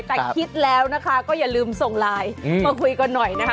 แต่คิดแล้วนะคะก็อย่าลืมส่งไลน์มาคุยกันหน่อยนะคะ